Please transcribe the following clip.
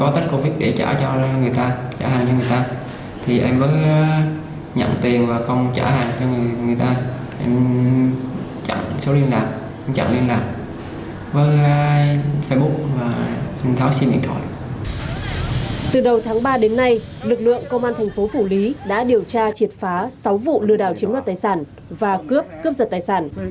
từ đầu tháng ba đến nay lực lượng công an thành phố phủ lý đã điều tra triệt phá sáu vụ lừa đảo chiếm đoạt tài sản và cướp cướp giật tài sản